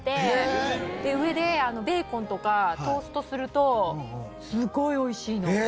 上でベーコンとかトーストするとすごい美味しいの。